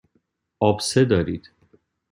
آبسه دارید.